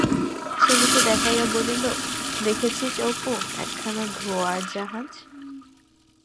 ছেলেকে দেখাইয়া বলিল, দেখেচিস অপু, একখানা ধোঁয়ার জাহাজ?